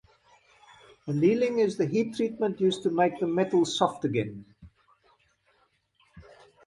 Annealing is the heat-treatment used to make the metal soft again.